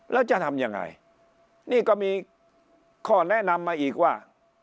แล้วจะทำยังไงนี่ก็มีข้อแนะนำมาอีกว่า